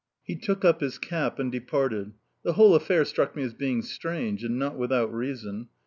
He took up his cap and departed. The whole affair struck me as being strange and not without reason.